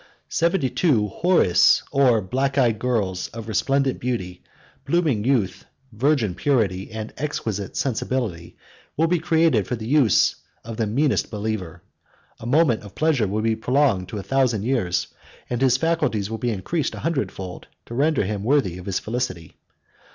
Seventy two Houris, or black eyed girls, of resplendent beauty, blooming youth, virgin purity, and exquisite sensibility, will be created for the use of the meanest believer; a moment of pleasure will be prolonged to a thousand years; and his faculties will be increased a hundred fold, to render him worthy of his felicity.